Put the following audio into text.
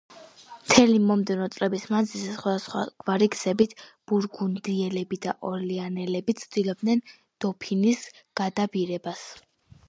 მთელი მომდევნო წლების მანძილზე, სხვადასხვაგვარი გზებით, ბურგუნდიელები და ორლეანელები, ცდილობდნენ დოფინის გადაბირებას.